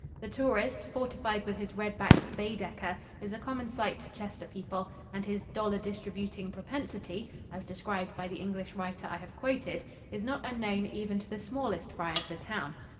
The tourist, fortified with his red backed Baedecker, is a common sight to Chester people, and his "dollar distributing" propensity, as described by the English writer I have quoted, is not unknown even to the smallest fry of the town.